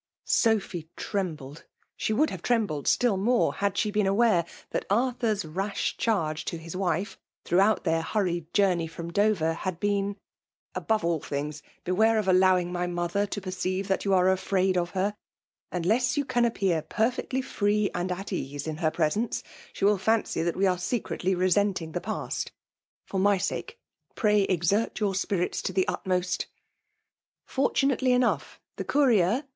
Soph^ trembled! She would have tr^oabled aliUL more had she been aware that Arthur's rash charge to his wife throughout their hurried FBICALE DOHIKATIOK. 223 jqurtiey from Dover, had been —^ Above all things^ beware of allowing xny mother to per^ eeive that you are afraid of her : unless you appear perfectly free and at ease in her pre* senee, she wOl fancy that we are secretly re senting the past. For my sake, pray exert your spirits to the utmost.*' Fortunately enough, the courier